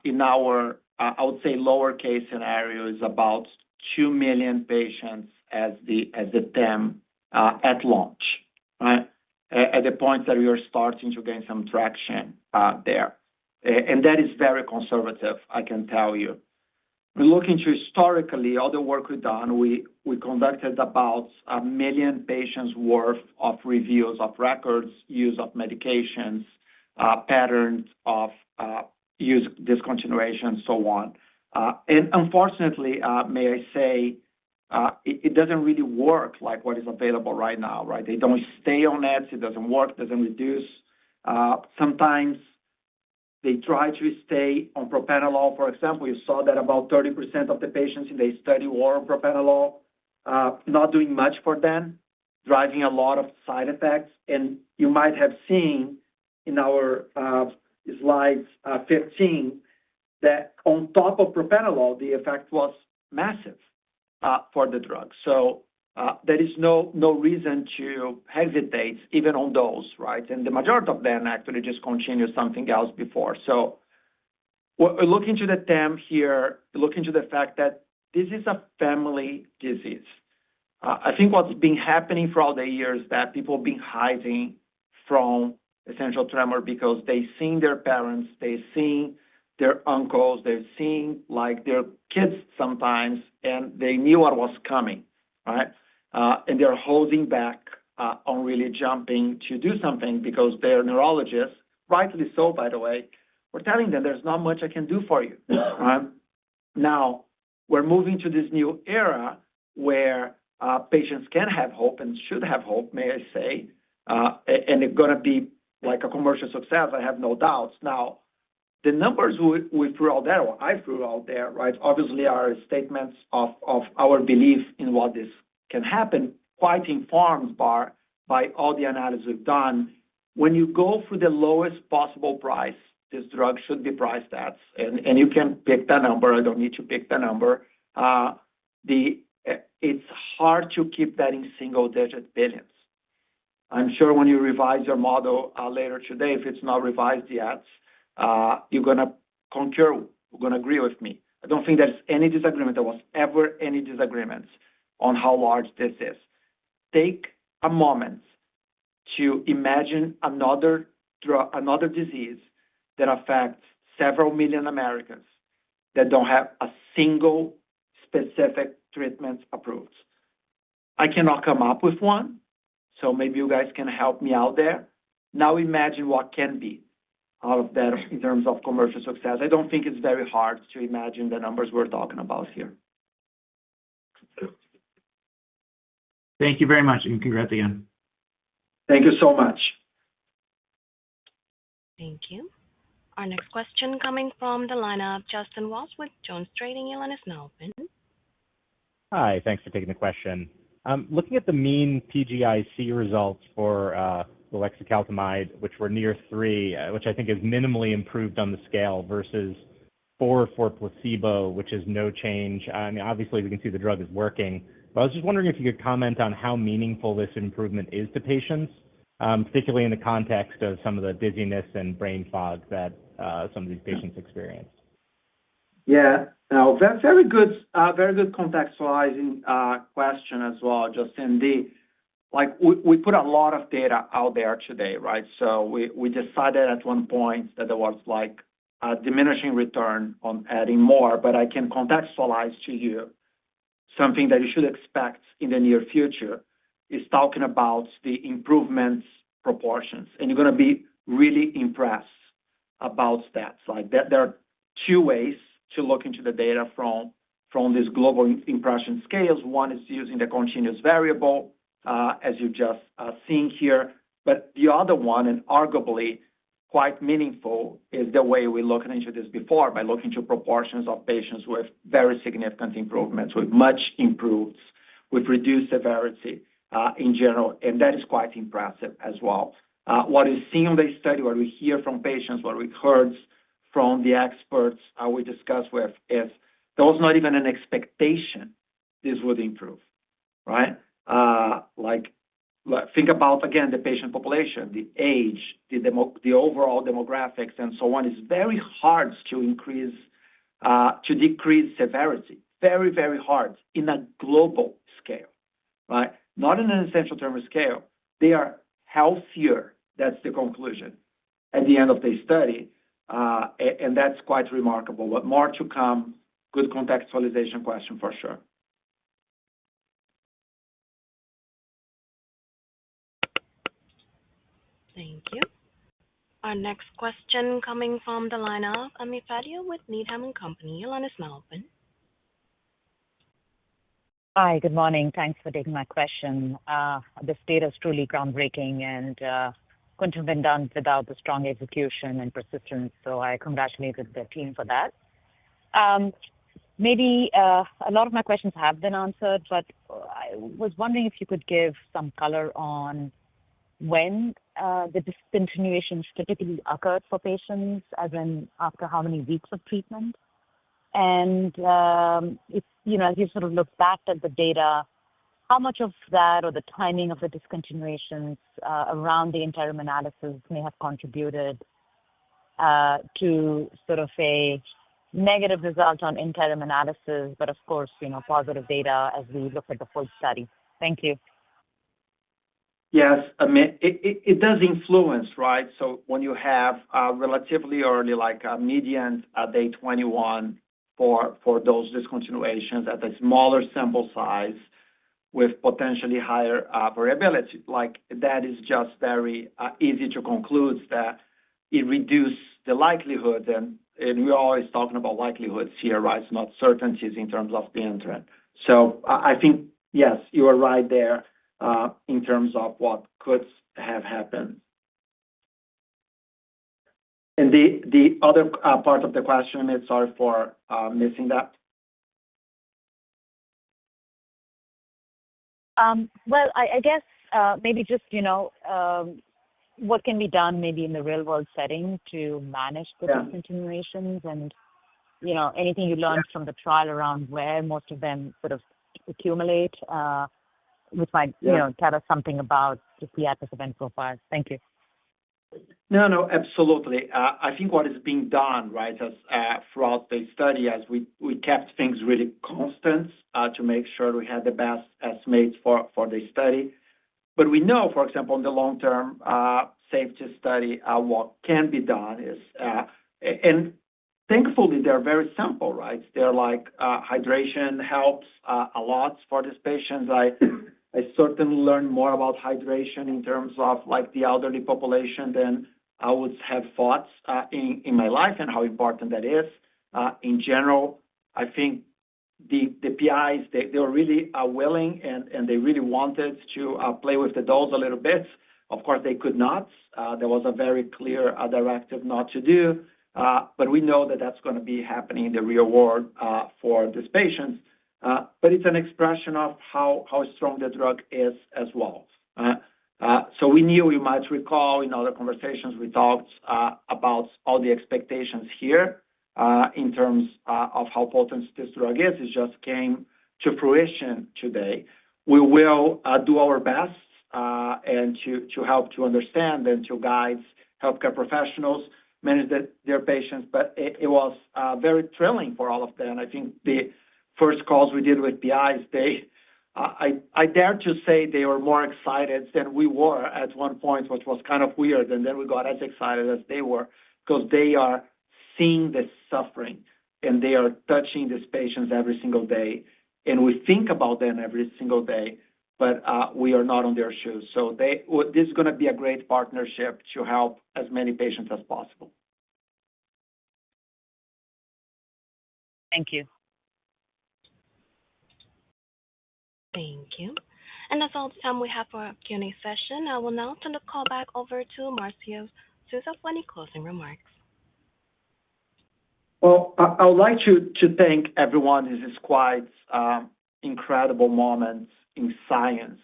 in our, I would say, lower-case scenario is about 2 million patients as the TAM at launch, right, at the point that we are starting to gain some traction there. That is very conservative, I can tell you. Looking historically, all the work we've done, we conducted about a million patients' worth of reviews of records, use of medications, patterns of use discontinuation, and so on. Unfortunately, may I say, it doesn't really work like what is available right now, right? They don't stay on it. It doesn't work. It doesn't reduce. Sometimes they try to stay on Propranolol. For example, you saw that about 30% of the patients in the study were on Propranolol, not doing much for them, driving a lot of side effects. And you might have seen in our slides 15 that on top of Propranolol, the effect was massive for the drug. So there is no reason to hesitate even on those, right? And the majority of them actually just continue something else before. So looking to the ET here, looking to the fact that this is a family disease. I think what's been happening throughout the years is that people have been hiding from essential tremor because they've seen their parents, they've seen their uncles, they've seen their kids sometimes, and they knew what was coming, right? And they're holding back on really jumping to do something because their neurologists, rightly so, by the way, were telling them, "There's not much I can do for you," right? Now, we're moving to this new era where patients can have hope and should have hope, may I say. And it's going to be like a commercial success. I have no doubts. Now, the numbers we threw out there, I threw out there, right, obviously are statements of our belief in what this can happen, quite informed by all the analysis we've done. When you go for the lowest possible price, this drug should be priced at, and you can pick the number. I don't need to pick the number. It's hard to keep that in single-digit billions. I'm sure when you revise your model later today, if it's not revised yet, you're going to concur. You're going to agree with me. I don't think there's any disagreement. There was ever any disagreement on how large this is. Take a moment to imagine another disease that affects several million Americans that don't have a single specific treatment approved. I cannot come up with one. So maybe you guys can help me out there. Now, imagine what can be out of that in terms of commercial success. I don't think it's very hard to imagine the numbers we're talking about here. Thank you very much, and congrats again. Thank you so much. Thank you. Our next question coming from the line of Justin Walsh with JonesTrading, Yolanda Snowben. Hi. Thanks for taking the question. Looking at the mean PGI-C results for the Ulixacaltamide, which were near three, which I think is minimally improved on the scale versus four for placebo, which is no change. I mean, obviously, we can see the drug is working. But I was just wondering if you could comment on how meaningful this improvement is to patients, particularly in the context of some of the dizziness and brain fog that some of these patients experienced. Yeah. Now, that's a very good contextualizing question as well, Justin. We put a lot of data out there today, right? So we decided at one point that there was a diminishing return on adding more. But I can contextualize to you something that you should expect in the near future is talking about the improvement proportions. And you're going to be really impressed about stats. There are two ways to look into the data from these global impression scales. One is using the continuous variable, as you just seen here. But the other one, and arguably quite meaningful, is the way we looked into this before by looking to proportions of patients with very significant improvements, with much improvements, with reduced severity in general. And that is quite impressive as well. What we see in the study, what we hear from patients, what we heard from the experts we discussed with, is there was not even an expectation this would improve, right? Think about, again, the patient population, the age, the overall demographics, and so on. It's very hard to decrease severity. Very, very hard in a global scale, right? Not in an essential tremor scale. They are healthier. That's the conclusion at the end of the study. And that's quite remarkable. But more to come. Good contextualization question for sure. Thank you. Our next question coming from the line of Ami Fadia with Needham & Company, Yolanda Snowben. Hi. Good morning. Thanks for taking my question. This data is truly groundbreaking and couldn't have been done without the strong execution and persistence. So I congratulate the team for that. Maybe a lot of my questions have been answered, but I was wondering if you could give some color on when the discontinuations typically occurred for patients, as in after how many weeks of treatment, and as you sort of look back at the data, how much of that or the timing of the discontinuations around the interim analysis may have contributed to sort of a negative result on interim analysis, but of course, positive data as we look at the full study? Thank you. Yes. It does influence, right? So when you have relatively early, like a median day 21 for those discontinuations at a smaller sample size with potentially higher variability, that is just very easy to conclude that it reduced the likelihood, and we're always talking about likelihoods here, right? It's not certainties in terms of the interim. So I think, yes, you are right there in terms of what could have happened. And the other part of the question, sorry for missing that. Well, I guess maybe just what can be done maybe in the real-world setting to manage the discontinuations and anything you learned from the trial around where most of them sort of accumulate, which might tell us something about just the adverse event profiles? Thank you. No, no, absolutely. I think what is being done, right, throughout the study is we kept things really constant to make sure we had the best estimates for the study. But we know, for example, in the long-term safety study, what can be done is, and thankfully, they're very simple, right? They're like hydration helps a lot for these patients. I certainly learned more about hydration in terms of the elderly population than I would have thought in my life and how important that is. In general, I think the PIs, they were really willing, and they really wanted to play with the dolls a little bit. Of course, they could not. There was a very clear directive not to do. But we know that that's going to be happening in the real world for these patients. But it's an expression of how strong the drug is as well. So we knew, you might recall, in other conversations, we talked about all the expectations here in terms of how potent this drug is. It just came to fruition today. We will do our best to help to understand and to guide healthcare professionals, manage their patients. But it was very thrilling for all of them. I think the first calls we did with PIs. I dare to say they were more excited than we were at one point, which was kind of weird, and then we got as excited as they were because they are seeing this suffering, and they are touching these patients every single day, and we think about them every single day, but we are not on their shoes. So this is going to be a great partnership to help as many patients as possible. Thank you. Thank you, and that's all the time we have for our Q&A session. I will now turn the call back over to Marcio Souza for any closing remarks. Well, I would like to thank everyone. This is quite an incredible moment in science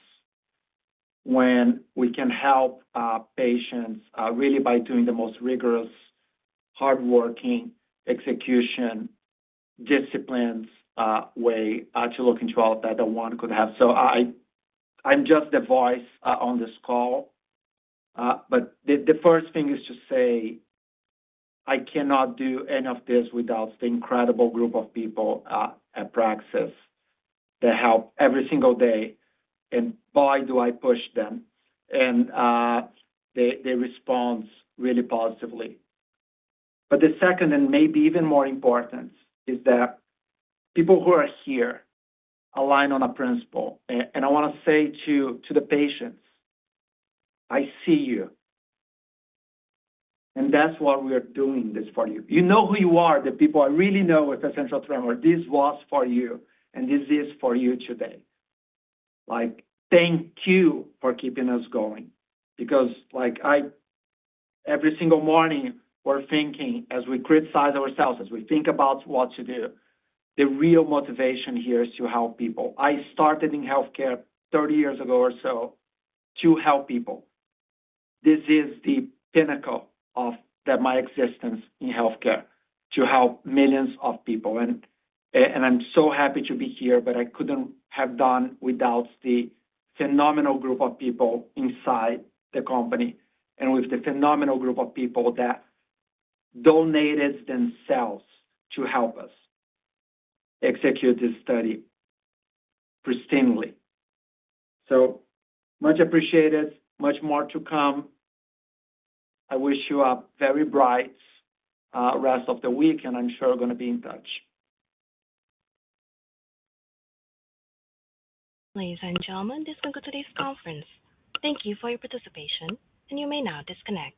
when we can help patients really by doing the most rigorous, hardworking, execution-disciplined way to look into all that no one could have, so I'm just the voice on this call, but the first thing is to say, I cannot do any of this without the incredible group of people at Praxis that help every single day, and why do I push them, and they respond really positively, but the second, and maybe even more important, is that people who are here align on a principle, and I want to say to the patients, "I see you, and that's why we are doing this for you. You know who you are. The people I really know with essential tremor, this was for you, and this is for you today. Thank you for keeping us going." Because every single morning, we're thinking, as we criticize ourselves, as we think about what to do, the real motivation here is to help people. I started in healthcare 30 years ago or so to help people. This is the pinnacle of my existence in healthcare to help millions of people. And I'm so happy to be here, but I couldn't have done without the phenomenal group of people inside the company and with the phenomenal group of people that donated themselves to help us execute this study pristinely. So much appreciated. Much more to come. I wish you a very bright rest of the week, and I'm sure we're going to be in touch. Ladies and gentlemen, this concludes today's conference. Thank you for your participation, and you may now disconnect.